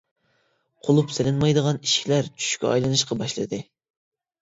قۇلۇپ سېلىنمايدىغان ئىشىكلەر چۈشكە ئايلىنىشقا باشلىدى.